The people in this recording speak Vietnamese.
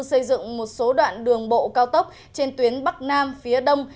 xây dựng một số đoạn đường bộ cao tốc trên tuyến bắc nam phía đông